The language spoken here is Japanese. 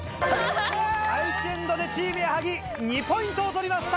第１エンドでチーム矢作２ポイントを取りました。